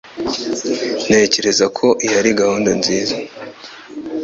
Ntekereza ko iyi ari gahunda nziza.